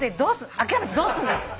諦めてどうすんだ。